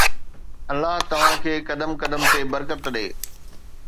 الله توهان کي قدم قدم تي برڪت ڏي.